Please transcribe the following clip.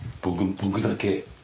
僕だけ。